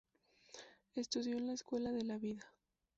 Estudio en la "Escuela de la Vida".